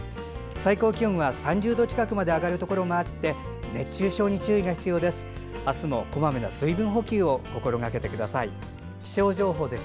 最高気温は３０度近くまで上がるところもあって熱中症に注意が必要です。